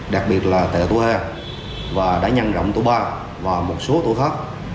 đặc biệt là tệ tổ he và đại nhân rộng tổ ba và một số tổ khác